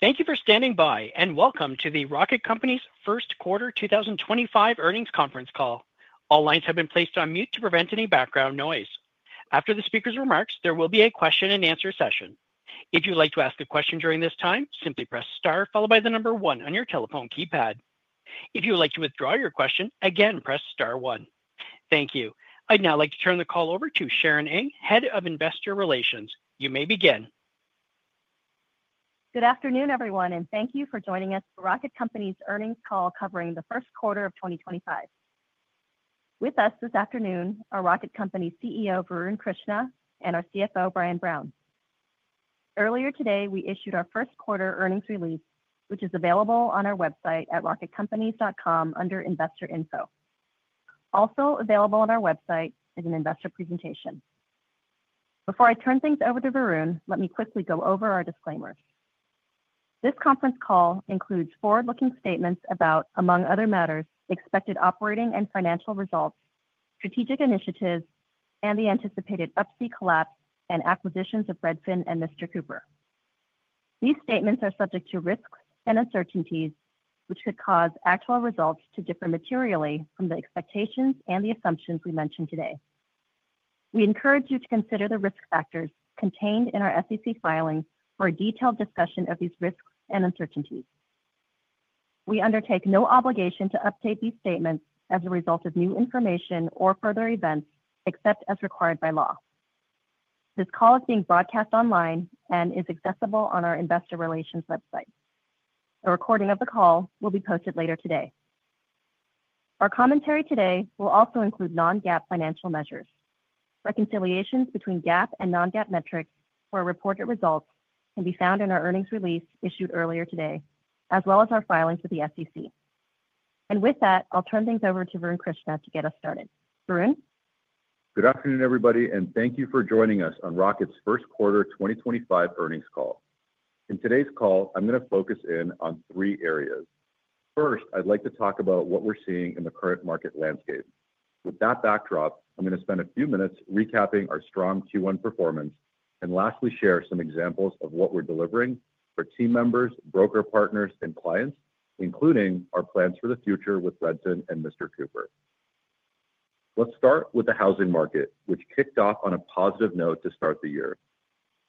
Thank you for standing by and welcome to the Rocket Companies' First Quarter 2025 Earnings Conference call. All lines have been placed on mute to prevent any background noise. After the speakers' remarks, there will be a question-and-answer session. If you'd like to ask a question during this time, simply press star, followed by the number one on your telephone keypad. If you would like to withdraw your question, again, press star one. Thank you. I'd now like to turn the call over to Sharon Ng, Head of Investor Relations. You may begin. Good afternoon, everyone, and thank you for joining us for Rocket Companies' Earnings Call covering the first quarter of 2025. With us this afternoon are Rocket Companies CEO Varun Krishna and our CFO Brian Brown. Earlier today, we issued our first quarter earnings release, which is available on our website at rocketcompanies.com under Investor Info. Also available on our website is an investor presentation. Before I turn things over to Varun, let me quickly go over our disclaimers. This conference call includes forward-looking statements about, among other matters, expected operating and financial results, strategic initiatives, and the anticipated Up-C collapse and acquisitions of Redfin and Mr. Cooper. These statements are subject to risks and uncertainties, which could cause actual results to differ materially from the expectations and the assumptions we mentioned today. We encourage you to consider the risk factors contained in our SEC filing for a detailed discussion of these risks and uncertainties. We undertake no obligation to update these statements as a result of new information or further events, except as required by law. This call is being broadcast online and is accessible on our Investor Relations website. A recording of the call will be posted later today. Our commentary today will also include non-GAAP financial measures. Reconciliations between GAAP and non-GAAP metrics for reported results can be found in our earnings release issued earlier today, as well as our filings with the SEC. And with that, I'll turn things over to Varun Krishna to get us started. Varun? Good afternoon, everybody, and thank you for joining us on Rocket's First Quarter 2025 Earnings Call. In today's call, I'm going to focus in on three areas. First, I'd like to talk about what we're seeing in the current market landscape. With that backdrop, I'm going to spend a few minutes recapping our strong Q1 performance and lastly share some examples of what we're delivering for team members, broker partners, and clients, including our plans for the future with Redfin and Mr. Cooper. Let's start with the housing market, which kicked off on a positive note to start the year.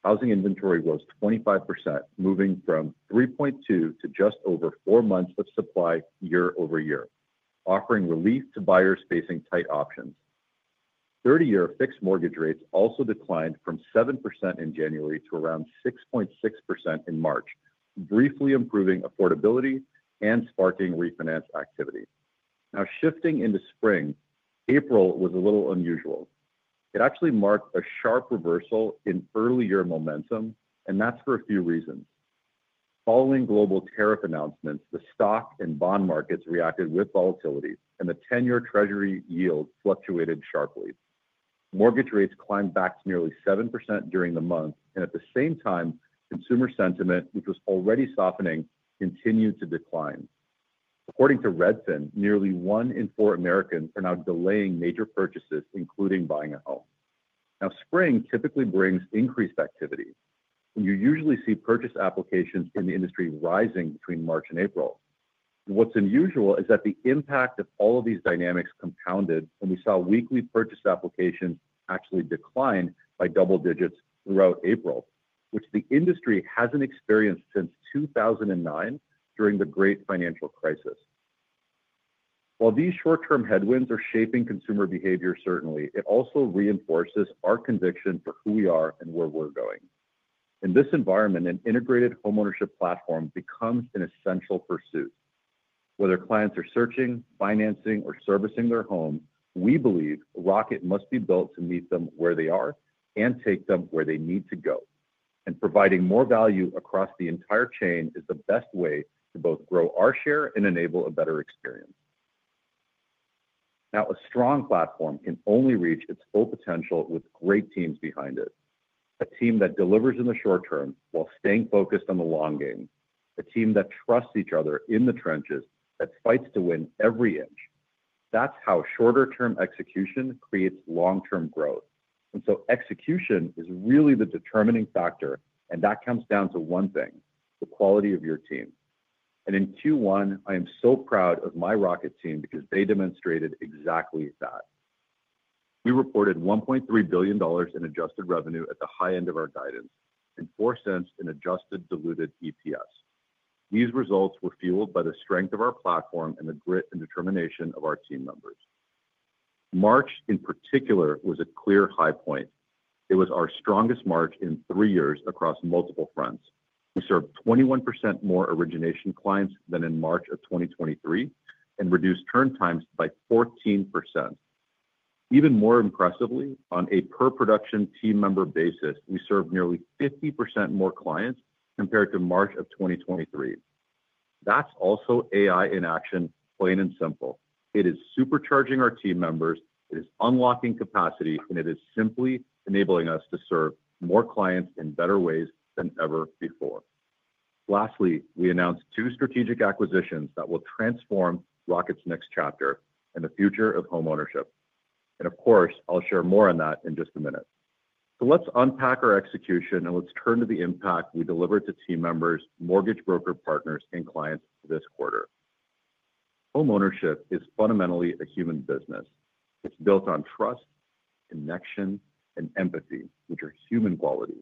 Housing inventory rose 25%, moving from 3.2 to just over four months of supply year over year, offering relief to buyers facing tight options. 30-year fixed mortgage rates also declined from 7% in January to around 6.6% in March, briefly improving affordability and sparking refinance activity. Now, shifting into spring, April was a little unusual. It actually marked a sharp reversal in early-year momentum, and that's for a few reasons. Following global tariff announcements, the stock and bond markets reacted with volatility, and the 10-year Treasury yield fluctuated sharply. Mortgage rates climbed back to nearly 7% during the month, and at the same time, consumer sentiment, which was already softening, continued to decline. According to Redfin, nearly one in four Americans are now delaying major purchases, including buying a home. Now, spring typically brings increased activity, and you usually see purchase applications in the industry rising between March and April. What's unusual is that the impact of all of these dynamics compounded, and we saw weekly purchase applications actually decline by double digits throughout April, which the industry hasn't experienced since 2009 during the Great Financial Crisis. While these short-term headwinds are shaping consumer behavior, certainly, it also reinforces our conviction for who we are and where we're going. In this environment, an integrated homeownership platform becomes an essential pursuit. Whether clients are searching, financing, or servicing their home, we believe Rocket must be built to meet them where they are and take them where they need to go, and providing more value across the entire chain is the best way to both grow our share and enable a better experience. Now, a strong platform can only reach its full potential with great teams behind it. A team that delivers in the short term while staying focused on the long game. A team that trusts each other in the trenches that fights to win every inch. That's how shorter-term execution creates long-term growth. And so execution is really the determining factor, and that comes down to one thing: the quality of your team. And in Q1, I am so proud of my Rocket team because they demonstrated exactly that. We reported $1.3 billion in adjusted revenue at the high end of our guidance and $0.04 in adjusted diluted EPS. These results were fueled by the strength of our platform and the grit and determination of our team members. March, in particular, was a clear high point. It was our strongest March in three years across multiple fronts. We served 21% more origination clients than in March of 2023 and reduced turn times by 14%. Even more impressively, on a per-production team member basis, we served nearly 50% more clients compared to March of 2023. That's also AI in action, plain and simple. It is supercharging our team members. It is unlocking capacity, and it is simply enabling us to serve more clients in better ways than ever before. Lastly, we announced two strategic acquisitions that will transform Rocket's next chapter and the future of homeownership, and of course, I'll share more on that in just a minute, so let's unpack our execution, and let's turn to the impact we delivered to team members, mortgage broker partners, and clients this quarter. Homeownership is fundamentally a human business. It's built on trust, connection, and empathy, which are human qualities.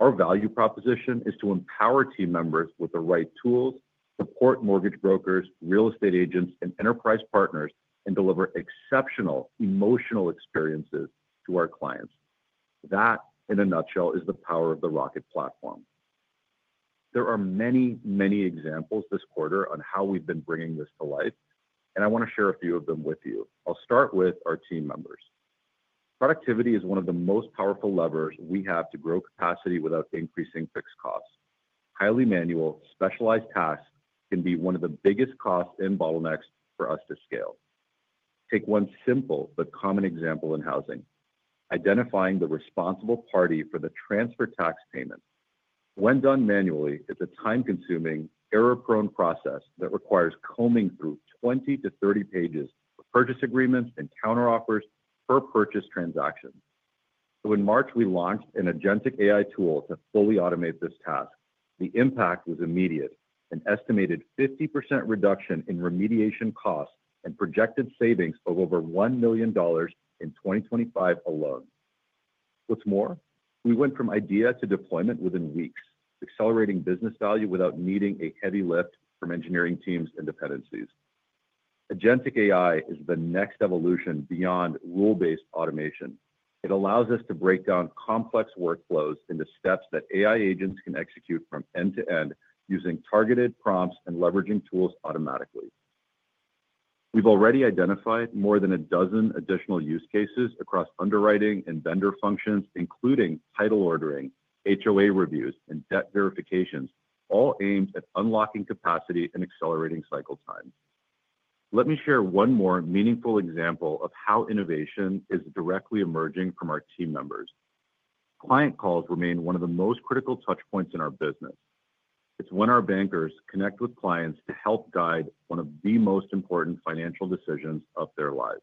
Our value proposition is to empower team members with the right tools, support mortgage brokers, real estate agents, and enterprise partners, and deliver exceptional emotional experiences to our clients. That, in a nutshell, is the power of the Rocket platform. There are many, many examples this quarter on how we've been bringing this to life, and I want to share a few of them with you. I'll start with our team members. Productivity is one of the most powerful levers we have to grow capacity without increasing fixed costs. Highly manual, specialized tasks can be one of the biggest costs and bottlenecks for us to scale. Take one simple but common example in housing: identifying the responsible party for the transfer tax payment. When done manually, it's a time-consuming, error-prone process that requires combing through 20 to 30 pages of purchase agreements and counteroffers per purchase transaction. So in March, we launched an agentic AI tool to fully automate this task. The impact was immediate: an estimated 50% reduction in remediation costs and projected savings of over $1 million in 2025 alone. What's more? We went from idea to deployment within weeks, accelerating business value without needing a heavy lift from engineering teams' independence. Agentic AI is the next evolution beyond rule-based automation. It allows us to break down complex workflows into steps that AI agents can execute from end to end using targeted prompts and leveraging tools automatically. We've already identified more than a dozen additional use cases across underwriting and vendor functions, including title ordering, HOA reviews, and debt verifications, all aimed at unlocking capacity and accelerating cycle time. Let me share one more meaningful example of how innovation is directly emerging from our team members. Client calls remain one of the most critical touchpoints in our business. It's when our bankers connect with clients to help guide one of the most important financial decisions of their lives.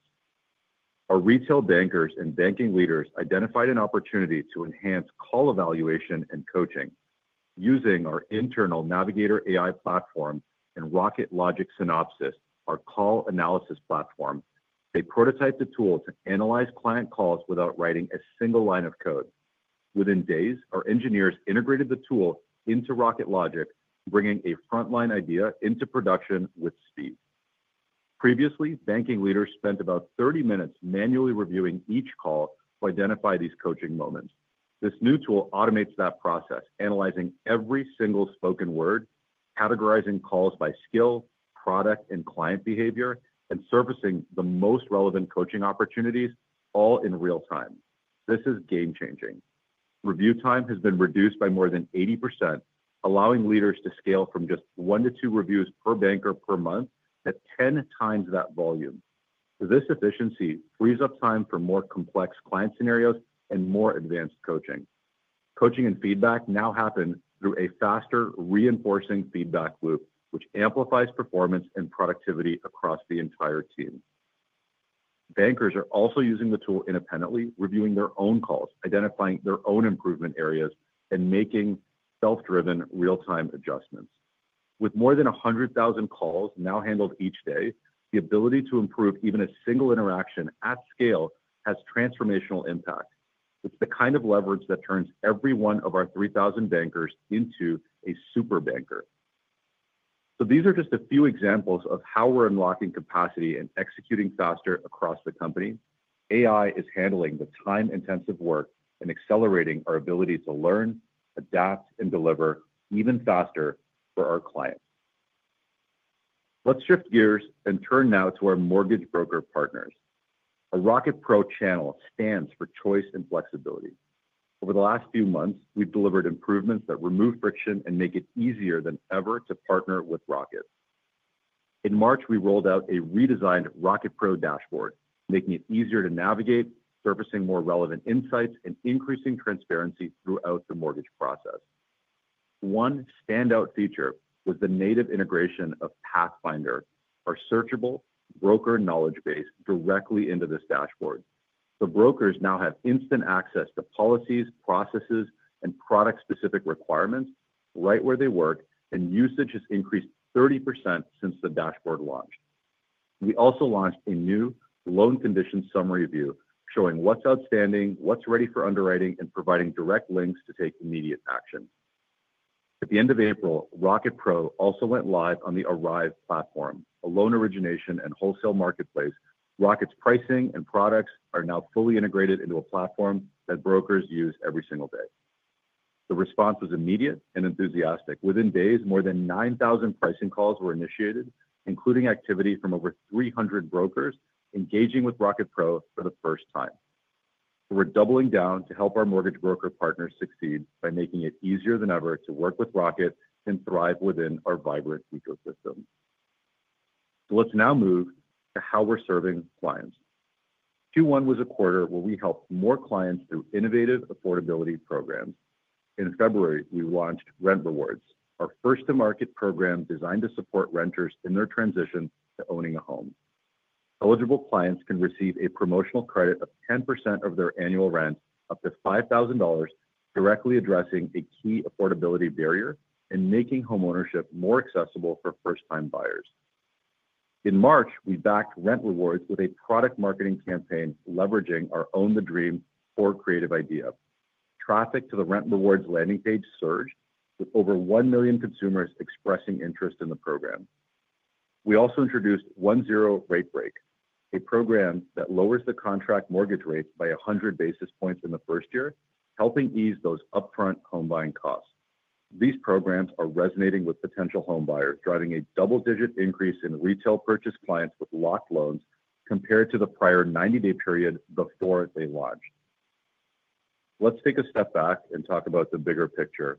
Our retail bankers and banking leaders identified an opportunity to enhance call evaluation and coaching. Using our internal Navigator AI platform and Rocket Logic Synopsis, our call analysis platform, they prototyped a tool to analyze client calls without writing a single line of code. Within days, our engineers integrated the tool into Rocket Logic, bringing a frontline idea into production with speed. Previously, banking leaders spent about 30 minutes manually reviewing each call to identify these coaching moments. This new tool automates that process, analyzing every single spoken word, categorizing calls by skill, product, and client behavior, and servicing the most relevant coaching opportunities, all in real time. This is game-changing. Review time has been reduced by more than 80%, allowing leaders to scale from just one to two reviews per banker per month to 10 times that volume. This efficiency frees up time for more complex client scenarios and more advanced coaching. Coaching and feedback now happen through a faster reinforcing feedback loop, which amplifies performance and productivity across the entire team. Bankers are also using the tool independently, reviewing their own calls, identifying their own improvement areas, and making self-driven, real-time adjustments. With more than 100,000 calls now handled each day, the ability to improve even a single interaction at scale has transformational impact. It's the kind of leverage that turns every one of our 3,000 bankers into a super banker. So these are just a few examples of how we're unlocking capacity and executing faster across the company. AI is handling the time-intensive work and accelerating our ability to learn, adapt, and deliver even faster for our clients. Let's shift gears and turn now to our mortgage broker partners. A Rocket Pro channel stands for choice and flexibility. Over the last few months, we've delivered improvements that remove friction and make it easier than ever to partner with Rocket. In March, we rolled out a redesigned Rocket Pro dashboard, making it easier to navigate, surfacing more relevant insights and increasing transparency throughout the mortgage process. One standout feature was the native integration of Pathfinder, our searchable broker knowledge base, directly into this dashboard. The brokers now have instant access to policies, processes, and product-specific requirements right where they work, and usage has increased 30% since the dashboard launched. We also launched a new loan condition summary view, showing what's outstanding, what's ready for underwriting, and providing direct links to take immediate action. At the end of April, Rocket Pro also went live on the ARIVE platform, a loan origination and wholesale marketplace. Rocket's pricing and products are now fully integrated into a platform that brokers use every single day. The response was immediate and enthusiastic. Within days, more than 9,000 pricing calls were initiated, including activity from over 300 brokers engaging with Rocket Pro for the first time. We're doubling down to help our mortgage broker partners succeed by making it easier than ever to work with Rocket and thrive within our vibrant ecosystem. So let's now move to how we're serving clients. Q1 was a quarter where we helped more clients through innovative affordability programs. In February, we launched Rent Rewards, our first-to-market program designed to support renters in their transition to owning a home. Eligible clients can receive a promotional credit of 10% of their annual rent, up to $5,000, directly addressing a key affordability barrier and making homeownership more accessible for first-time buyers. In March, we backed Rent Rewards with a product marketing campaign leveraging our Own the Dream, our creative idea. Traffic to the Rent Rewards landing page surged, with over 1 million consumers expressing interest in the program. We also introduced 1-0 Rate Break, a program that lowers the contract mortgage rates by 100 basis points in the first year, helping ease those upfront home buying costs. These programs are resonating with potential home buyers, driving a double-digit increase in retail purchase clients with locked loans compared to the prior 90-day period before they launched. Let's take a step back and talk about the bigger picture.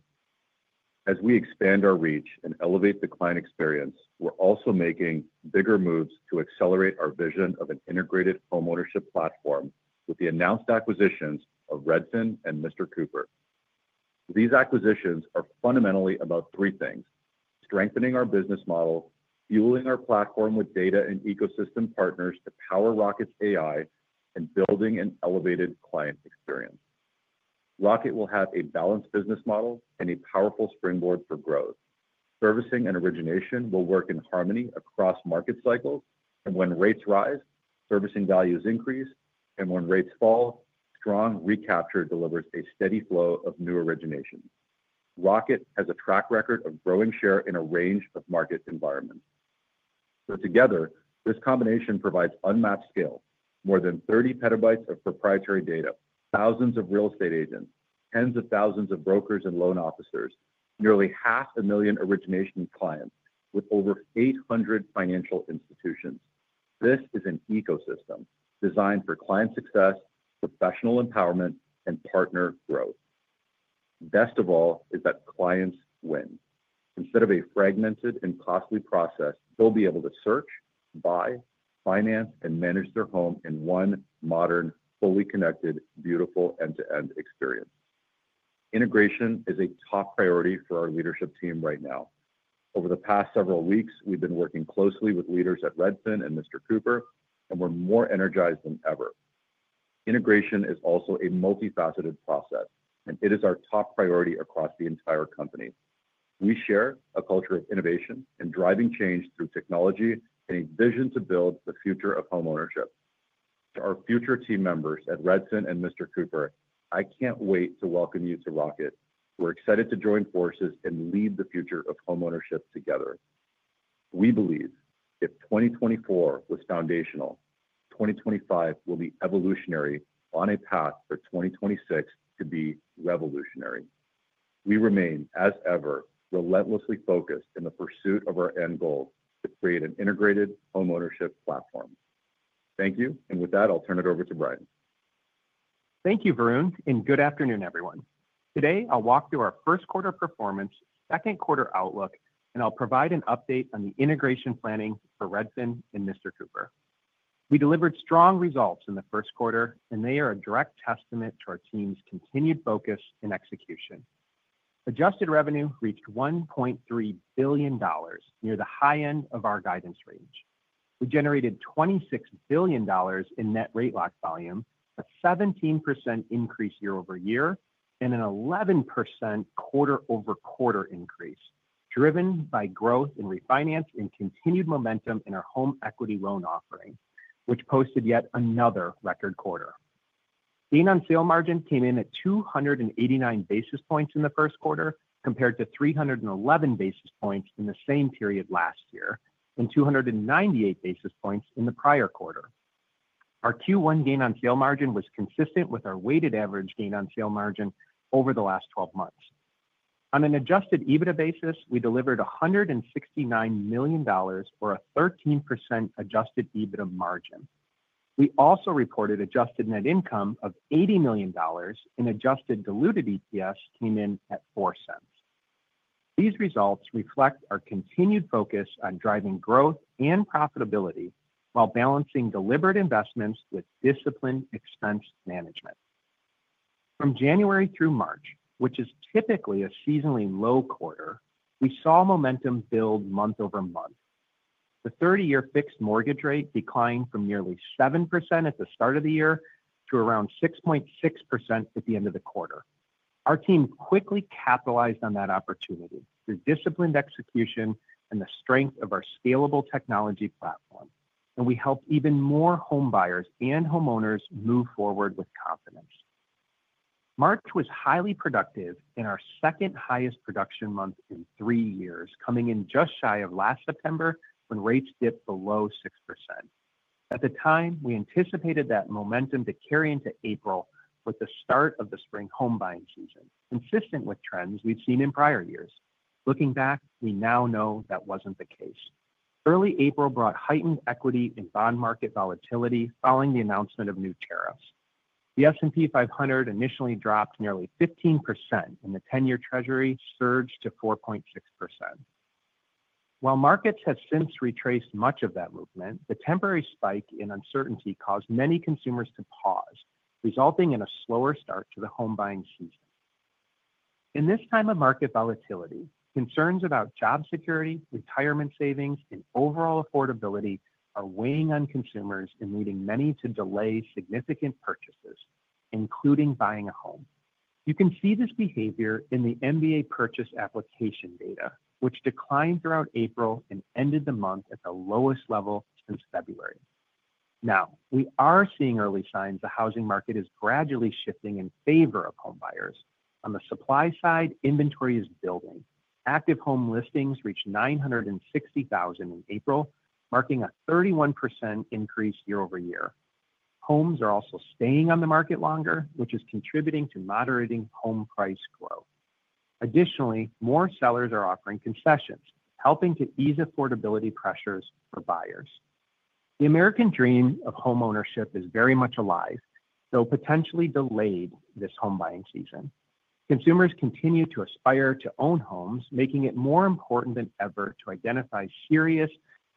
As we expand our reach and elevate the client experience, we're also making bigger moves to accelerate our vision of an integrated homeownership platform with the announced acquisitions of Redfin and Mr. Cooper. These acquisitions are fundamentally about three things: strengthening our business model, fueling our platform with data and ecosystem partners to power Rocket's AI, and building an elevated client experience. Rocket will have a balanced business model and a powerful springboard for growth. Servicing and origination will work in harmony across market cycles, and when rates rise, servicing values increase, and when rates fall, strong recapture delivers a steady flow of new origination. Rocket has a track record of growing share in a range of market environments. So together, this combination provides unmatched scale: more than 30 petabytes of proprietary data, thousands of real estate agents, tens of thousands of brokers and loan officers, nearly 500,000 origination clients, with over 800 financial institutions. This is an ecosystem designed for client success, professional empowerment, and partner growth. Best of all is that clients win. Instead of a fragmented and costly process, they'll be able to search, buy, finance, and manage their home in one modern, fully connected, beautiful end-to-end experience. Integration is a top priority for our leadership team right now. Over the past several weeks, we've been working closely with leaders at Redfin and Mr. Cooper, and we're more energized than ever. Integration is also a multifaceted process, and it is our top priority across the entire company. We share a culture of innovation and driving change through technology and a vision to build the future of homeownership. To our future team members at Redfin and Mr. Cooper, I can't wait to welcome you to Rocket. We're excited to join forces and lead the future of homeownership together. We believe if 2024 was foundational, 2025 will be evolutionary on a path for 2026 to be revolutionary. We remain, as ever, relentlessly focused in the pursuit of our end goal to create an integrated homeownership platform. Thank you, and with that, I'll turn it over to Brian. Thank you, Varun, and good afternoon, everyone. Today, I'll walk through our first quarter performance, second quarter outlook, and I'll provide an update on the integration planning for Redfin and Mr. Cooper. We delivered strong results in the first quarter, and they are a direct testament to our team's continued focus and execution. Adjusted revenue reached $1.3 billion, near the high end of our guidance range. We generated $26 billion in net rate lock volume, a 17% increase year over year, and an 11% quarter-over-quarter increase, driven by growth in refinance and continued momentum in our home equity loan offering, which posted yet another record quarter. Gain on sale margin came in at 289 basis points in the first quarter, compared to 311 basis points in the same period last year and 298 basis points in the prior quarter. Our Q1 gain on sale margin was consistent with our weighted average gain on sale margin over the last 12 months. On an adjusted EBITDA basis, we delivered $169 million for a 13% adjusted EBITDA margin. We also reported adjusted net income of $80 million, and adjusted diluted EPS came in at $0.04. These results reflect our continued focus on driving growth and profitability while balancing deliberate investments with disciplined expense management. From January through March, which is typically a seasonally low quarter, we saw momentum build month over month. The 30-year fixed mortgage rate declined from nearly 7% at the start of the year to around 6.6% at the end of the quarter. Our team quickly capitalized on that opportunity through disciplined execution and the strength of our scalable technology platform, and we helped even more home buyers and homeowners move forward with confidence. March was highly productive in our second highest production month in three years, coming in just shy of last September when rates dipped below 6%. At the time, we anticipated that momentum to carry into April with the start of the spring home buying season, consistent with trends we've seen in prior years. Looking back, we now know that wasn't the case. Early April brought heightened equity and bond market volatility following the announcement of new tariffs. The S&P 500 initially dropped nearly 15%, and the 10-Year Treasury surged to 4.6%. While markets have since retraced much of that movement, the temporary spike in uncertainty caused many consumers to pause, resulting in a slower start to the home buying season. In this time of market volatility, concerns about job security, retirement savings, and overall affordability are weighing on consumers and leading many to delay significant purchases, including buying a home. You can see this behavior in the MBA purchase application data, which declined throughout April and ended the month at the lowest level since February. Now, we are seeing early signs the housing market is gradually shifting in favor of home buyers. On the supply side, inventory is building. Active home listings reached 960,000 in April, marking a 31% increase year over year. Homes are also staying on the market longer, which is contributing to moderating home price growth. Additionally, more sellers are offering concessions, helping to ease affordability pressures for buyers. The American dream of homeownership is very much alive, though potentially delayed this home buying season. Consumers continue to aspire to own homes, making it more important than ever to identify serious,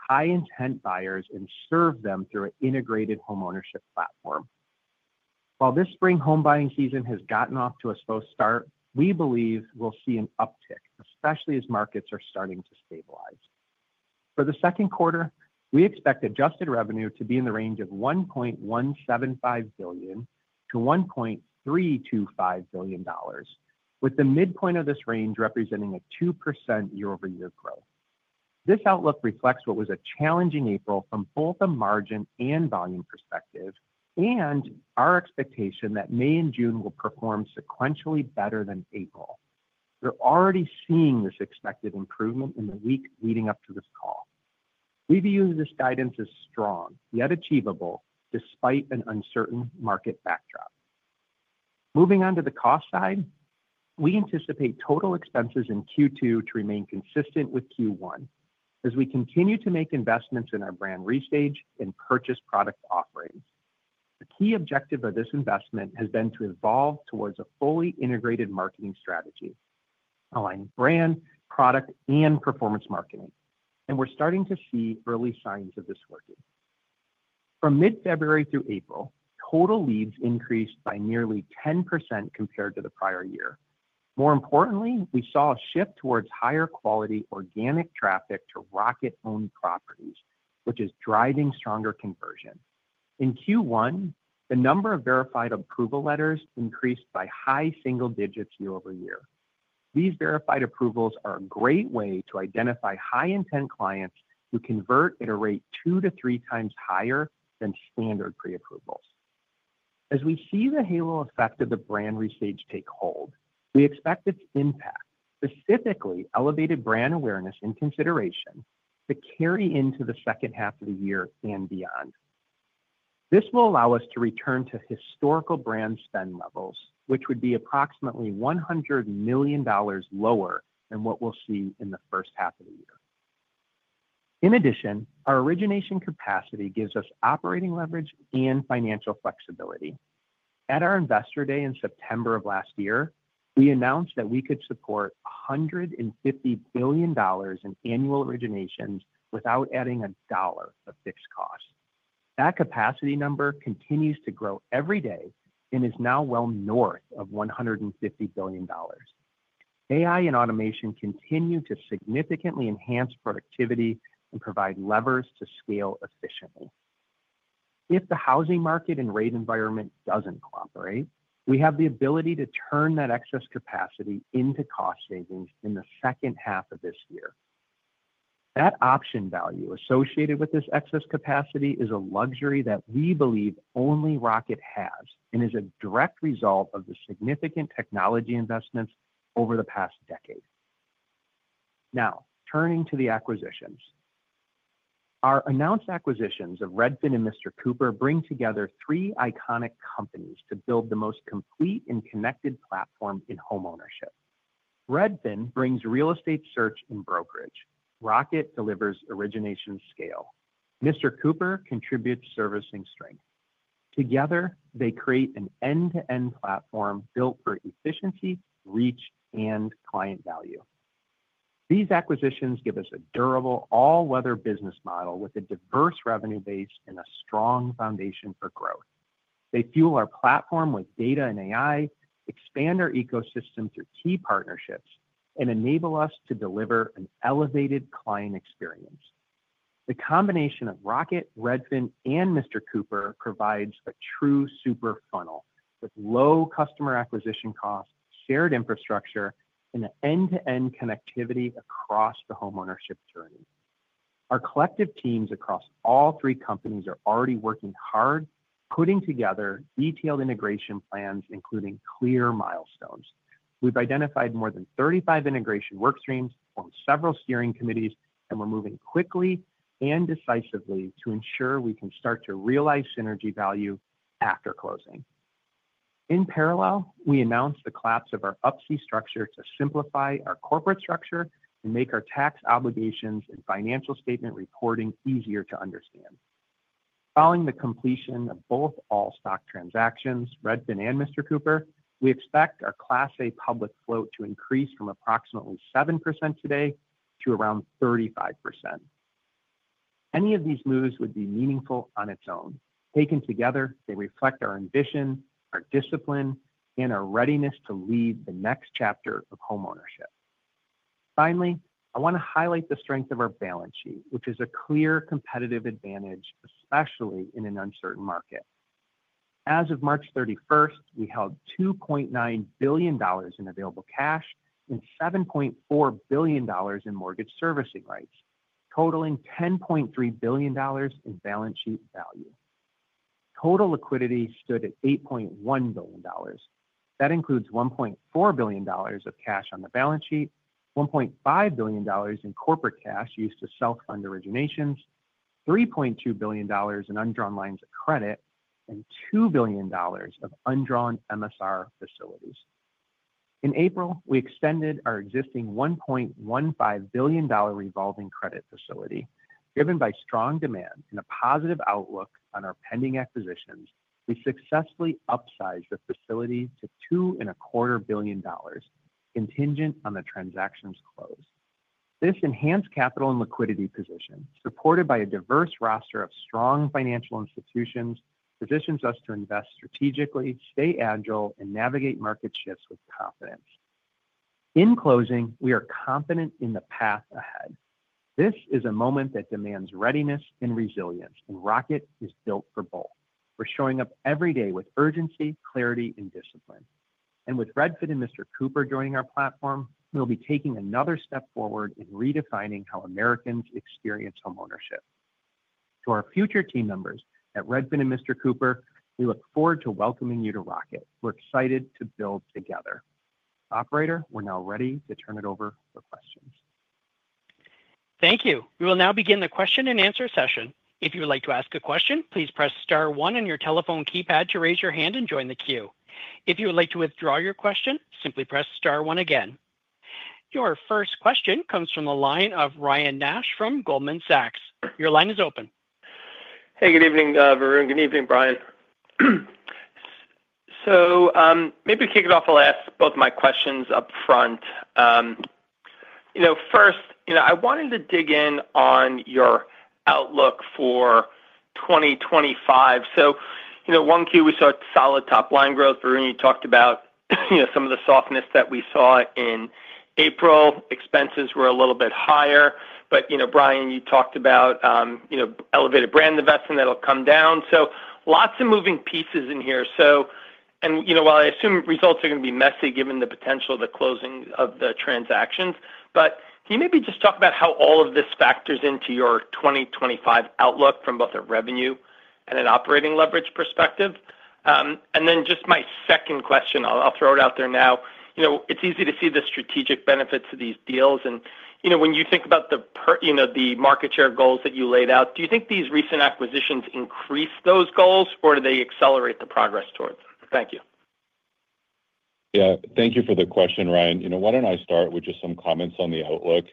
high-intent buyers and serve them through an integrated homeownership platform. While this spring home buying season has gotten off to a slow start, we believe we'll see an uptick, especially as markets are starting to stabilize. For the second quarter, we expect adjusted revenue to be in the range of $1.175 billion-$1.325 billion, with the midpoint of this range representing a 2% year-over-year growth. This outlook reflects what was a challenging April from both a margin and volume perspective and our expectation that May and June will perform sequentially better than April. We're already seeing this expected improvement in the week leading up to this call. We view this guidance as strong, yet achievable, despite an uncertain market backdrop. Moving on to the cost side, we anticipate total expenses in Q2 to remain consistent with Q1 as we continue to make investments in our brand restage and purchase product offerings. The key objective of this investment has been to evolve towards a fully integrated marketing strategy, aligning brand, product, and performance marketing, and we're starting to see early signs of this working. From mid-February through April, total leads increased by nearly 10% compared to the prior year. More importantly, we saw a shift towards higher quality organic traffic to Rocket-owned properties, which is driving stronger conversion. In Q1, the number of verified approval letters increased by high single digits year over year. These Verified Approvals are a great way to identify high-intent clients who convert at a rate two to three times higher than standard pre-approvals. As we see the halo effect of the brand restage take hold, we expect its impact, specifically elevated brand awareness and consideration, to carry into the second half of the year and beyond. This will allow us to return to historical brand spend levels, which would be approximately $100 million lower than what we'll see in the first half of the year. In addition, our origination capacity gives us operating leverage and financial flexibility. At our investor day in September of last year, we announced that we could support $150 billion in annual originations without adding a dollar of fixed cost. That capacity number continues to grow every day and is now well north of $150 billion. AI and automation continue to significantly enhance productivity and provide levers to scale efficiently. If the housing market and rate environment doesn't cooperate, we have the ability to turn that excess capacity into cost savings in the second half of this year. That option value associated with this excess capacity is a luxury that we believe only Rocket has and is a direct result of the significant technology investments over the past decade. Now, turning to the acquisitions. Our announced acquisitions of Redfin and Mr. Cooper bring together three iconic companies to build the most complete and connected platform in homeownership. Redfin brings real estate search and brokerage. Rocket delivers origination scale. Mr. Cooper contributes servicing strength. Together, they create an end-to-end platform built for efficiency, reach, and client value. These acquisitions give us a durable, all-weather business model with a diverse revenue base and a strong foundation for growth. They fuel our platform with data and AI, expand our ecosystem through key partnerships, and enable us to deliver an elevated client experience. The combination of Rocket, Redfin, and Mr. Cooper provides a true super funnel with low customer acquisition costs, shared infrastructure, and end-to-end connectivity across the homeownership journey. Our collective teams across all three companies are already working hard, putting together detailed integration plans, including clear milestones. We've identified more than 35 integration work streams, formed several steering committees, and we're moving quickly and decisively to ensure we can start to realize synergy value after closing. In parallel, we announced the collapse of our Up-C structure to simplify our corporate structure and make our tax obligations and financial statement reporting easier to understand. Following the completion of both all-stock transactions, Redfin and Mr. Cooper. We expect our Class A public float to increase from approximately 7% today to around 35%. Any of these moves would be meaningful on its own. Taken together, they reflect our ambition, our discipline, and our readiness to lead the next chapter of homeownership. Finally, I want to highlight the strength of our balance sheet, which is a clear competitive advantage, especially in an uncertain market. As of March 31st, we held $2.9 billion in available cash and $7.4 billion in mortgage servicing rights, totaling $10.3 billion in balance sheet value. Total liquidity stood at $8.1 billion. That includes $1.4 billion of cash on the balance sheet, $1.5 billion in corporate cash used to self-fund originations, $3.2 billion in undrawn lines of credit, and $2 billion of undrawn MSR facilities. In April, we extended our existing $1.15 billion revolving credit facility. Driven by strong demand and a positive outlook on our pending acquisitions, we successfully upsized the facility to $2.25 billion, contingent on the transaction's close. This enhanced capital and liquidity position, supported by a diverse roster of strong financial institutions, positions us to invest strategically, stay agile, and navigate market shifts with confidence. In closing, we are confident in the path ahead. This is a moment that demands readiness and resilience, and Rocket is built for both. We're showing up every day with urgency, clarity, and discipline. And with Redfin and Mr. Cooper joining our platform, we'll be taking another step forward in redefining how Americans experience homeownership. To our future team members at Redfin and Mr. Cooper, we look forward to welcoming you to Rocket. We're excited to build together. Operator, we're now ready to turn it over for questions. Thank you. We will now begin the question and answer session. If you would like to ask a question, please press Star 1 on your telephone keypad to raise your hand and join the queue. If you would like to withdraw your question, simply press Star 1 again. Your first question comes from the line of Ryan Nash from Goldman Sachs. Your line is open. Hey, good evening, Varun. Good evening, Brian, so maybe kick it off by asking both of my questions up front. First, I wanted to dig in on your outlook for 2025, so one key, we saw solid top-line growth. Varun, you talked about some of the softness that we saw in April. Expenses were a little bit higher, but Brian, you talked about elevated brand investment that'll come down, so lots of moving pieces in here. While I assume results are going to be messy given the potential of the closing of the transactions, but can you maybe just talk about how all of this factors into your 2025 outlook from both a revenue and an operating leverage perspective? Then just my second question, I'll throw it out there now. It's easy to see the strategic benefits of these deals. When you think about the market share goals that you laid out, do you think these recent acquisitions increase those goals, or do they accelerate the progress towards them? Thank you. Yeah, thank you for the question, Ryan. Why don't I start with just some comments on the outlook?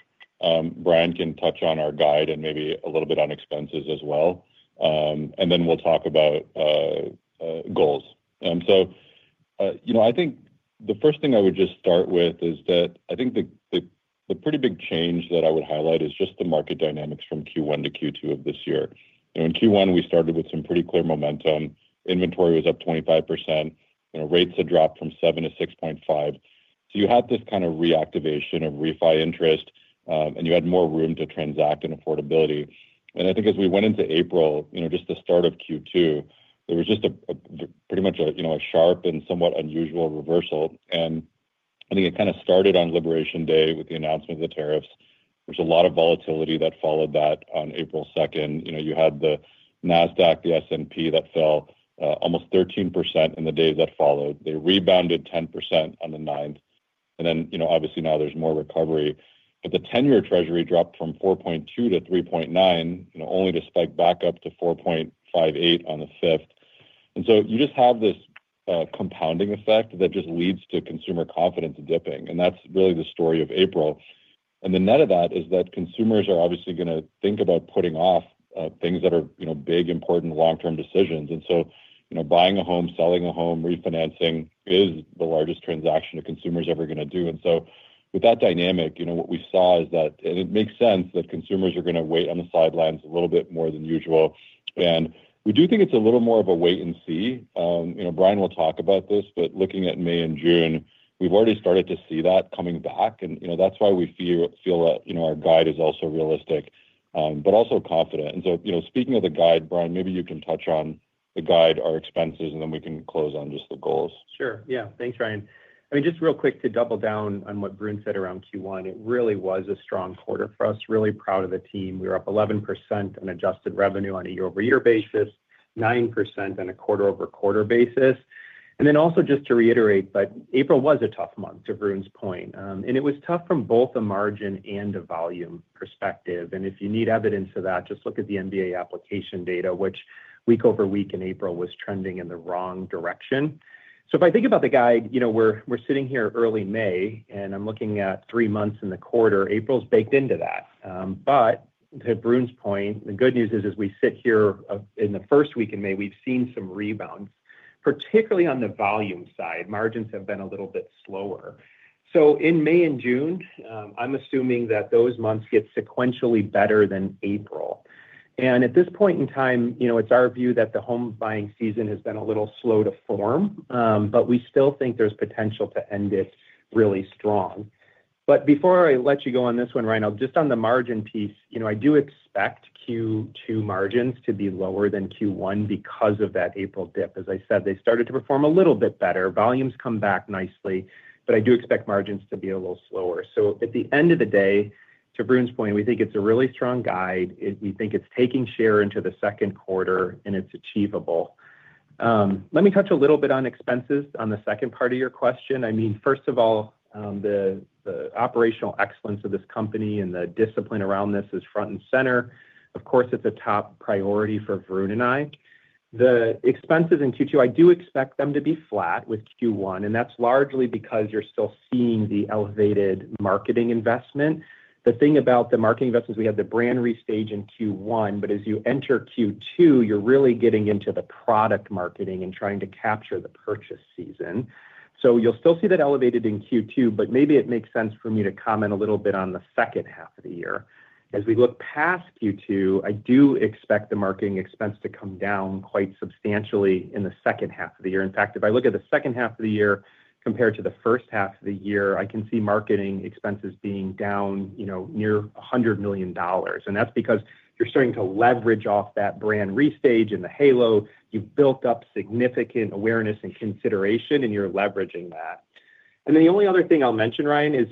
Brian can touch on our guide and maybe a little bit on expenses as well. Then we'll talk about goals. And so I think the first thing I would just start with is that I think the pretty big change that I would highlight is just the market dynamics from Q1 to Q2 of this year. In Q1, we started with some pretty clear momentum. Inventory was up 25%. Rates had dropped from 7% to 6.5%. So you had this kind of reactivation of refi interest, and you had more room to transact and affordability. And I think as we went into April, just the start of Q2, there was just pretty much a sharp and somewhat unusual reversal. And I think it kind of started on Liberation Day with the announcement of the tariffs. There was a lot of volatility that followed that on April 2nd. You had the NASDAQ, the S&P that fell almost 13% in the days that followed. They rebounded 10% on the 9th. And then obviously now there's more recovery. But the 10-year Treasury dropped from 4.2% to 3.9%, only to spike back up to 4.58% on the 5th. And so you just have this compounding effect that just leads to consumer confidence dipping. And that's really the story of April. And the net of that is that consumers are obviously going to think about putting off things that are big, important, long-term decisions. And so buying a home, selling a home, refinancing is the largest transaction a consumer is ever going to do. And so with that dynamic, what we saw is that it makes sense that consumers are going to wait on the sidelines a little bit more than usual. And we do think it's a little more of a wait and see. Brian will talk about this, but looking at May and June, we've already started to see that coming back, and that's why we feel that our guide is also realistic, but also confident, and so speaking of the guide, Brian, maybe you can touch on the guide, our expenses, and then we can close on just the goals. Sure. Yeah. Thanks, Ryan. I mean, just real quick to double down on what Varun said around Q1, it really was a strong quarter for us. Really proud of the team. We were up 11% on Adjusted Revenue on a year-over-year basis, 9% on a quarter-over-quarter basis, and then also just to reiterate, but April was a tough month, to Varun's point, and it was tough from both a margin and a volume perspective. And if you need evidence of that, just look at the MBA application data, which week over week in April was trending in the wrong direction. So if I think about the guide, we're sitting here early May, and I'm looking at three months in the quarter. April's baked into that. But to Varun's point, the good news is as we sit here in the first week in May, we've seen some rebounds, particularly on the volume side. Margins have been a little bit slower. So in May and June, I'm assuming that those months get sequentially better than April. And at this point in time, it's our view that the home buying season has been a little slow to form, but we still think there's potential to end it really strong. But before I let you go on this one, Ryan, just on the margin piece, I do expect Q2 margins to be lower than Q1 because of that April dip. As I said, they started to perform a little bit better. Volumes come back nicely, but I do expect margins to be a little slower. So at the end of the day, to Varun's point, we think it's a really strong guide. We think it's taking share into the second quarter, and it's achievable. Let me touch a little bit on expenses on the second part of your question. I mean, first of all, the operational excellence of this company and the discipline around this is front and center. Of course, it's a top priority for Varun and I. The expenses in Q2, I do expect them to be flat with Q1, and that's largely because you're still seeing the elevated marketing investment. The thing about the marketing investments, we had the brand restage in Q1, but as you enter Q2, you're really getting into the product marketing and trying to capture the purchase season, so you'll still see that elevated in Q2, but maybe it makes sense for me to comment a little bit on the second half of the year. As we look past Q2, I do expect the marketing expense to come down quite substantially in the second half of the year. In fact, if I look at the second half of the year compared to the first half of the year, I can see marketing expenses being down near $100 million, and that's because you're starting to leverage off that brand restage and the halo. You've built up significant awareness and consideration, and you're leveraging that. And then the only other thing I'll mention, Ryan, is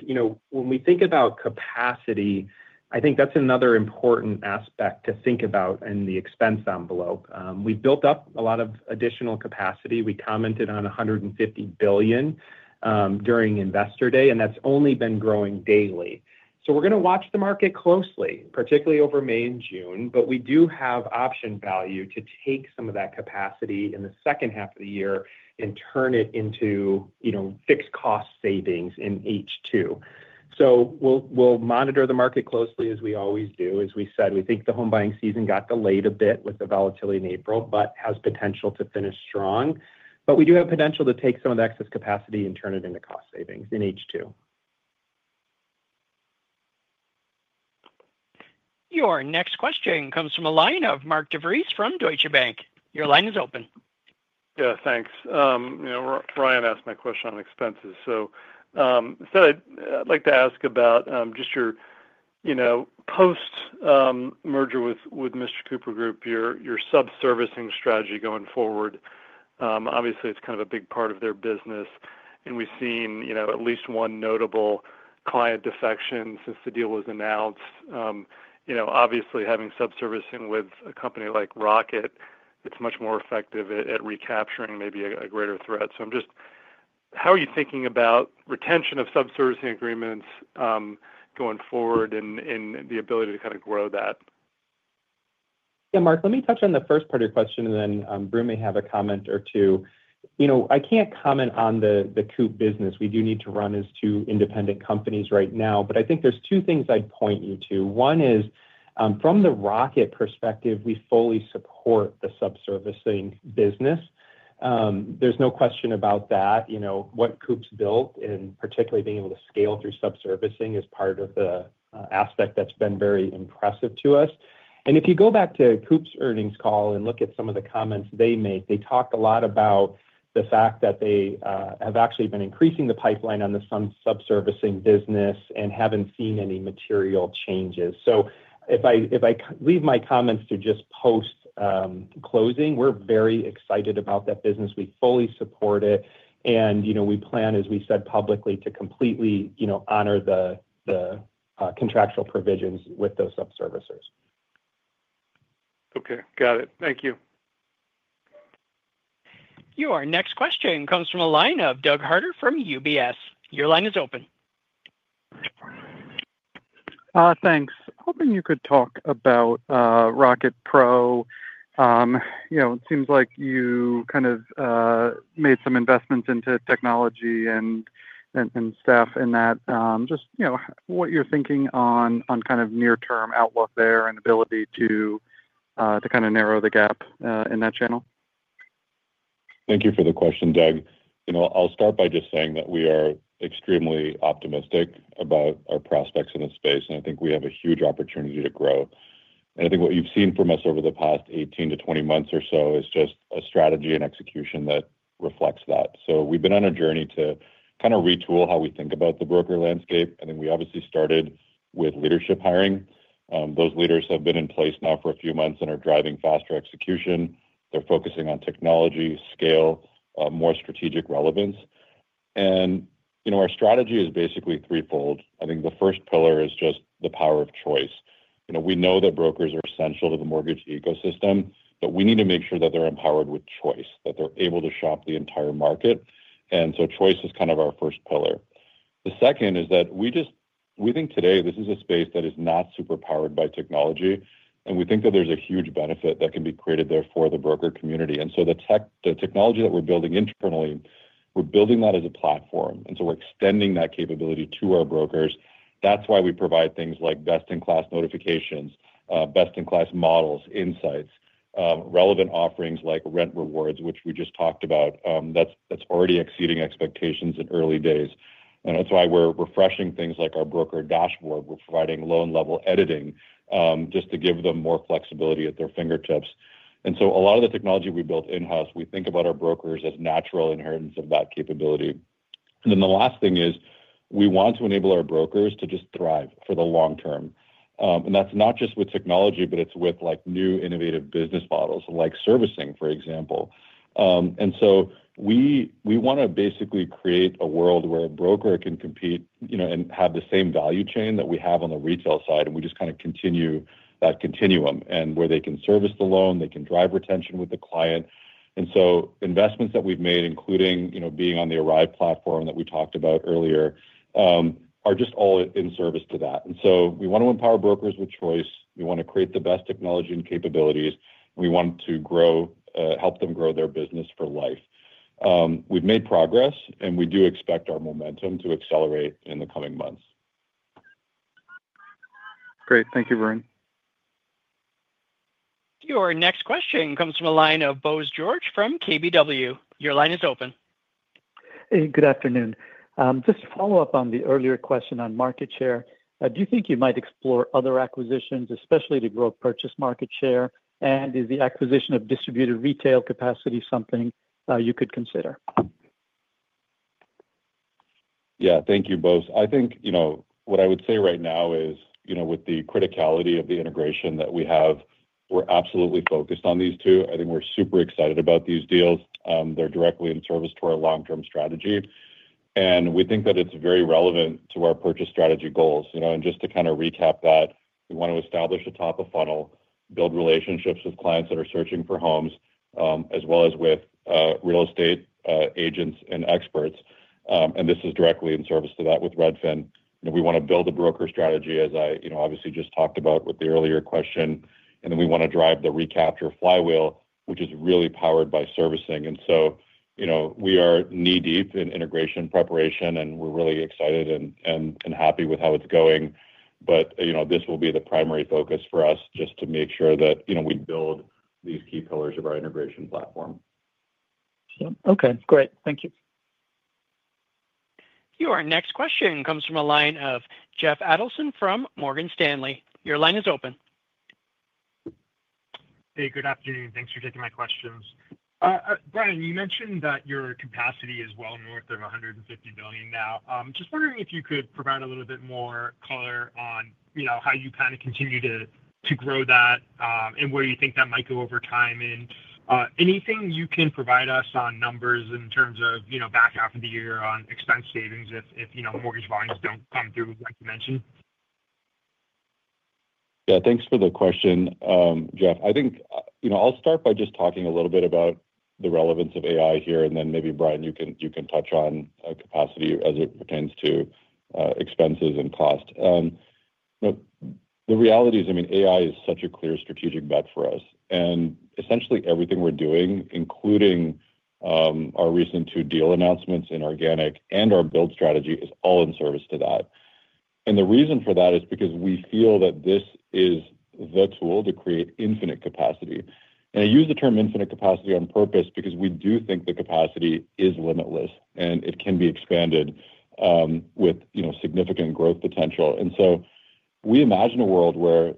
when we think about capacity. I think that's another important aspect to think about in the expense envelope. We built up a lot of additional capacity. We commented on $150 billion during Investor Day, and that's only been growing daily. So we're going to watch the market closely, particularly over May and June, but we do have option value to take some of that capacity in the second half of the year and turn it into fixed cost savings in H2. So we'll monitor the market closely as we always do. As we said, we think the home buying season got delayed a bit with the volatility in April, but has potential to finish strong. But we do have potential to take some of the excess capacity and turn it into cost savings in H2. Your next question comes from a line of Mark DeVries from Deutsche Bank. Your line is open. Yeah, thanks. Ryan asked my question on expenses. So I'd like to ask about just your post-merger with Mr. Cooper Group, your subservicing strategy going forward. Obviously, it's kind of a big part of their business. And we've seen at least one notable client defection since the deal was announced. Obviously, having subservicing with a company like Rocket, it's much more effective at recapturing maybe a greater threat. So I'm just, how are you thinking about retention of subservicing agreements going forward and the ability to kind of grow that? Yeah, Mark, let me touch on the first part of your question, and then Varun may have a comment or two. I can't comment on the Cooper business. We do need to run as two independent companies right now. But I think there's two things I'd point you to. One is, from the Rocket perspective, we fully support the subservicing business. There's no question about that. What Cooper's built, and particularly being able to scale through subservicing, is part of the aspect that's been very impressive to us. And if you go back to Cooper's earnings call and look at some of the comments they made, they talked a lot about the fact that they have actually been increasing the pipeline on the subservicing business and haven't seen any material changes. So if I leave my comments to just post-closing, we're very excited about that business. We fully support it. And we plan, as we said publicly, to completely honor the contractual provisions with those sub-servicers. Okay. Got it. Thank you. Your next question comes from the line of Doug Harter from UBS. Your line is open. Thanks. Hoping you could talk about Rocket Pro. It seems like you kind of made some investments into technology and staff in that. Just what you're thinking on kind of near-term outlook there and ability to kind of narrow the gap in that channel? Thank you for the question, Doug. I'll start by just saying that we are extremely optimistic about our prospects in the space, and I think we have a huge opportunity to grow. And I think what you've seen from us over the past 18-20 months or so is just a strategy and execution that reflects that. So we've been on a journey to kind of retool how we think about the broker landscape. I think we obviously started with leadership hiring. Those leaders have been in place now for a few months and are driving faster execution. They're focusing on technology, scale, more strategic relevance, and our strategy is basically threefold. I think the first pillar is just the power of choice. We know that brokers are essential to the mortgage ecosystem, but we need to make sure that they're empowered with choice, that they're able to shop the entire market, and so choice is kind of our first pillar. The second is that we think today this is a space that is not super powered by technology, and we think that there's a huge benefit that can be created there for the broker community. And so the technology that we're building internally, we're building that as a platform, and so we're extending that capability to our brokers. That's why we provide things like best-in-class notifications, best-in-class models, insights, relevant offerings like Rent Rewards, which we just talked about. That's already exceeding expectations in early days. And that's why we're refreshing things like our broker dashboard. We're providing loan-level editing just to give them more flexibility at their fingertips. And so a lot of the technology we built in-house, we think about our brokers as natural inheritance of that capability. And then the last thing is we want to enable our brokers to just thrive for the long term. And that's not just with technology, but it's with new innovative business models like servicing, for example. And so we want to basically create a world where a broker can compete and have the same value chain that we have on the retail side, and we just kind of continue that continuum and where they can service the loan, they can drive retention with the client. And so investments that we've made, including being on the ARIVE platform that we talked about earlier, are just all in service to that. And so we want to empower brokers with choice. We want to create the best technology and capabilities, and we want to help them grow their business for life. We've made progress, and we do expect our momentum to accelerate in the coming months. Great. Thank you, Varun. Your next question comes from a line of Bose George from KBW. Your line is open. Hey, good afternoon. Just to follow up on the earlier question on market share, do you think you might explore other acquisitions, especially to grow purchase market share? And is the acquisition of distributed retail capacity something you could consider? Yeah. Thank you, both. I think what I would say right now is, with the criticality of the integration that we have, we're absolutely focused on these two. I think we're super excited about these deals. They're directly in service to our long-term strategy, and we think that it's very relevant to our purchase strategy goals, and just to kind of recap that, we want to establish a top-of-funnel, build relationships with clients that are searching for homes, as well as with real estate agents and experts, and this is directly in service to that with Redfin. We want to build a broker strategy, as I obviously just talked about with the earlier question. And then we want to drive the recapture flywheel, which is really powered by servicing. And so we are knee-deep in integration preparation, and we're really excited and happy with how it's going. But this will be the primary focus for us just to make sure that we build these key pillars of our integration platform. Okay. Great. Thank you. Your next question comes from a line of Jeff Adelson from Morgan Stanley. Your line is open. Hey, good afternoon. Thanks for taking my questions. Brian, you mentioned that your capacity is well north of $150 billion now. Just wondering if you could provide a little bit more color on how you kind of continue to grow that and where you think that might go over time. And anything you can provide us on numbers in terms of back half of the year on expense savings if mortgage volumes don't come through, like you mentioned? Yeah. Thanks for the question, Jeff. I think I'll start by just talking a little bit about the relevance of AI here, and then maybe Brian, you can touch on capacity as it pertains to expenses and cost. The reality is, I mean, AI is such a clear strategic bet for us. Essentially everything we're doing, including our recent two deal announcements in inorganic and our build strategy, is all in service to that. The reason for that is because we feel that this is the tool to create infinite capacity. I use the term infinite capacity on purpose because we do think the capacity is limitless, and it can be expanded with significant growth potential. And so we imagine a world where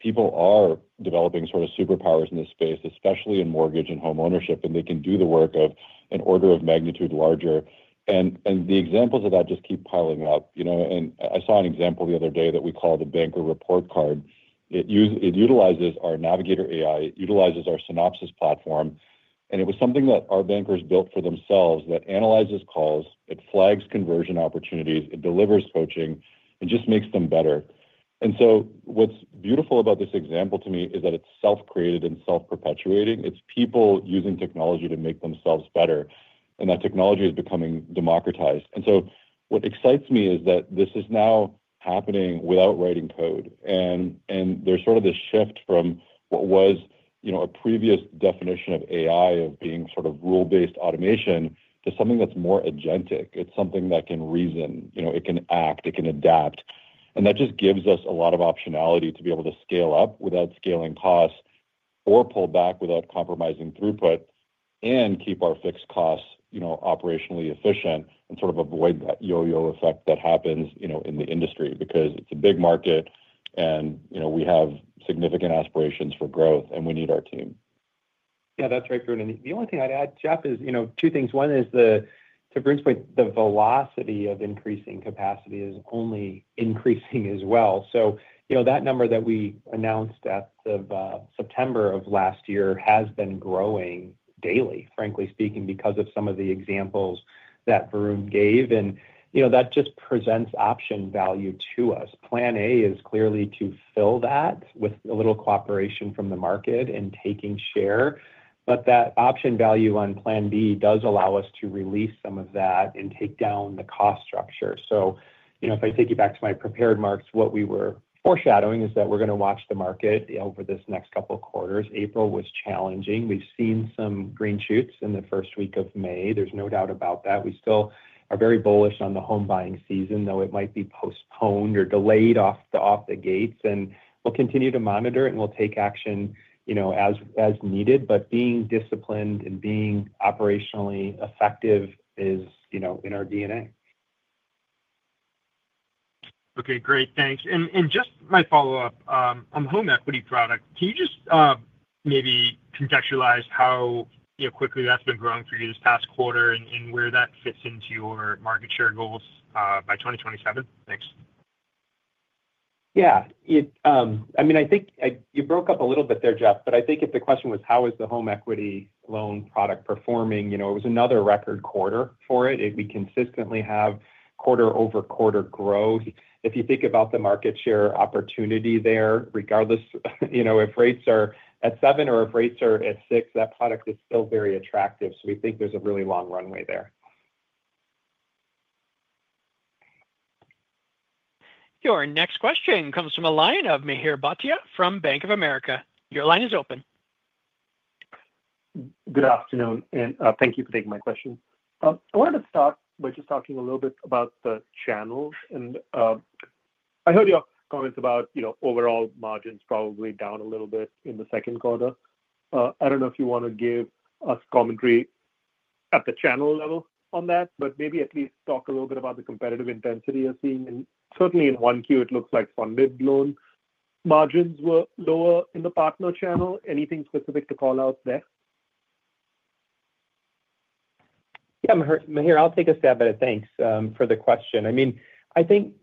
people are developing sort of superpowers in this space, especially in mortgage and home ownership, and they can do the work of an order of magnitude larger. And the examples of that just keep piling up. And I saw an example the other day that we called a banker report card. It utilizes our Navigator AI, it utilizes our Synopsis platform, and it was something that our bankers built for themselves that analyzes calls, it flags conversion opportunities, it delivers coaching, and just makes them better. And so what's beautiful about this example to me is that it's self-created and self-perpetuating. It's people using technology to make themselves better, and that technology is becoming democratized. And so what excites me is that this is now happening without writing code. And there's sort of this shift from what was a previous definition of AI of being sort of rule-based automation to something that's more agentic. It's something that can reason, it can act, it can adapt. And that just gives us a lot of optionality to be able to scale up without scaling costs or pull back without compromising throughput and keep our fixed costs operationally efficient and sort of avoid that yo-yo effect that happens in the industry because it's a big market and we have significant aspirations for growth and we need our team. Yeah, that's right, Varun. And the only thing I'd add, Jeff, is two things. One is, to Varun's point, the velocity of increasing capacity is only increasing as well. So that number that we announced at the September of last year has been growing daily, frankly speaking, because of some of the examples that Varun gave. And that just presents option value to us. Plan A is clearly to fill that with a little cooperation from the market and taking share. But that option value on Plan B does allow us to release some of that and take down the cost structure. So if I take you back to my prepared remarks, what we were foreshadowing is that we're going to watch the market over this next couple of quarters. April was challenging. We've seen some green shoots in the first week of May. There's no doubt about that. We still are very bullish on the home buying season, though it might be postponed or delayed out of the gate. We'll continue to monitor it and we'll take action as needed. But being disciplined and being operationally effective is in our DNA. Okay. Great. Thanks. And just my follow-up on home equity product. Can you just maybe contextualize how quickly that's been growing for you this past quarter and where that fits into your market share goals by 2027? Thanks. Yeah. I mean, I think you broke up a little bit there, Jeff, but I think if the question was, how is the home equity loan product performing, it was another record quarter for it. We consistently have quarter-over-quarter growth. If you think about the market share opportunity there, regardless if rates are at seven or if rates are at six, that product is still very attractive. So we think there's a really long runway there. Your next question comes from a line of Mihir Bhatia from Bank of America. Your line is open. Good afternoon, and thank you for taking my question. I wanted to start by just talking a little bit about the channels. I heard your comments about overall margins probably down a little bit in the second quarter. I don't know if you want to give us commentary at the channel level on that, but maybe at least talk a little bit about the competitive intensity you're seeing. Certainly in Q1, it looks like funded loan margins were lower in the partner channel. Anything specific to call out there? Yeah. Mihir, I'll take a stab at it. Thanks for the question. I mean, I think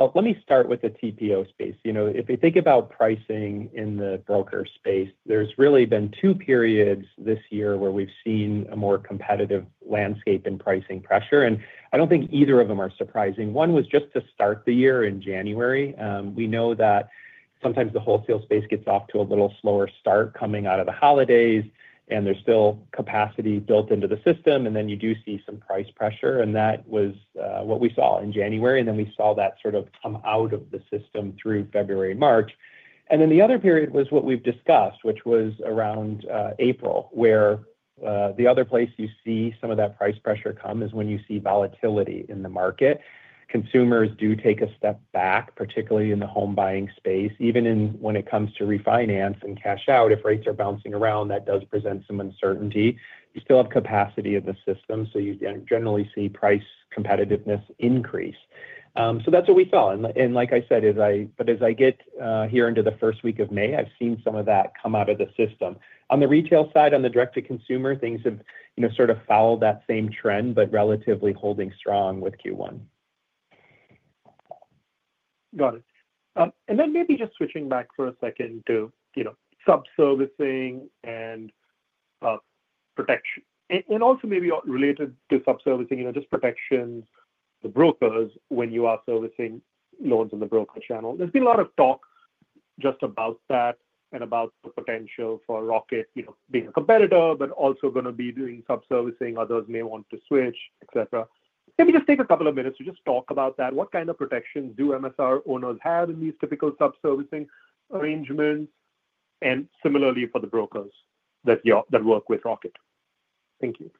let me start with the TPO space. If you think about pricing in the broker space, there's really been two periods this year where we've seen a more competitive landscape in pricing pressure. And I don't think either of them are surprising. One was just to start the year in January. We know that sometimes the wholesale space gets off to a little slower start coming out of the holidays, and there's still capacity built into the system. And then you do see some price pressure. And that was what we saw in January. And then we saw that sort of come out of the system through February and March. And then the other period was what we've discussed, which was around April, where the other place you see some of that price pressure come is when you see volatility in the market. Consumers do take a step back, particularly in the home buying space. Even when it comes to refinance and cash out, if rates are bouncing around, that does present some uncertainty. You still have capacity of the system, so you generally see price competitiveness increase. So that's what we saw, and like I said, but as I get here into the first week of May, I've seen some of that come out of the system. On the retail side, on the direct-to-consumer, things have sort of followed that same trend, but relatively holding strong with Q1. Got it, and then maybe just switching back for a second to subservicing and protection. And also maybe related to subservicing, just protections. The brokers when you are servicing loans in the broker channel. There's been a lot of talk just about that and about the potential for Rocket being a competitor, but also going to be doing subservicing. Others may want to switch, etc. Maybe just take a couple of minutes to just talk about that. What kind of protections do MSR owners have in these typical subservicing arrangements? And similarly for the brokers that work with Rocket. Thank you.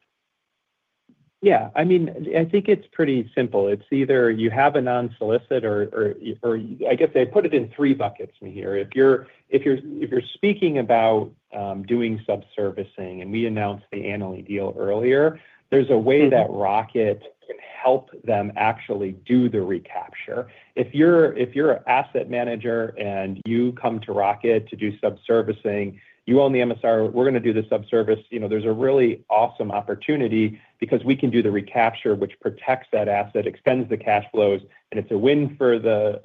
Yeah. I mean, I think it's pretty simple. It's either you have a non-solicit or I guess they put it in three buckets, Mihir. If you're speaking about doing subservicing and we announced the annual deal earlier, there's a way that Rocket can help them actually do the recapture. If you're an asset manager and you come to Rocket to do subservicing, you own the MSR, we're going to do the subservicing, there's a really awesome opportunity because we can do the recapture, which protects that asset, extends the cash flows, and it's a win for the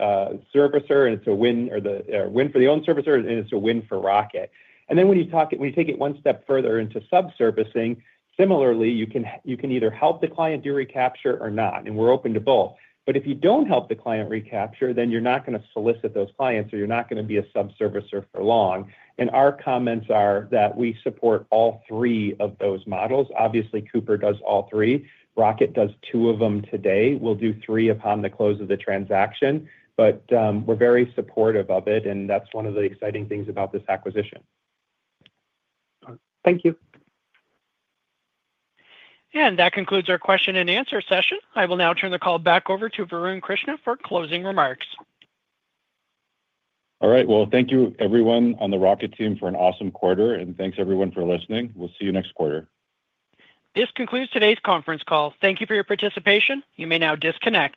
servicer, and it's a win for the owner servicer, and it's a win for Rocket. And then when you take it one step further into subservicing, similarly, you can either help the client do recapture or not. And we're open to both. But if you don't help the client recapture, then you're not going to solicit those clients or you're not going to be a subservicer for long. And our comments are that we support all three of those models. Obviously, Cooper does all three. Rocket does two of them today. We'll do three upon the close of the transaction. But we're very supportive of it, and that's one of the exciting things about this acquisition. Thank you. And that concludes our question and answer session. I will now turn the call back over to Varun Krishna for closing remarks. All right. Well, thank you, everyone on the Rocket team, for an awesome quarter. And thanks, everyone, for listening. We'll see you next quarter. This concludes today's conference call. Thank you for your participation. You may now disconnect.